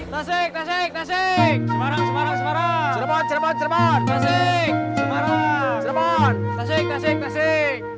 tasik tasik tasik